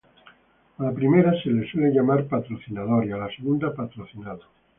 A la primera se la suele llamar patrocinador y a la segunda patrocinado.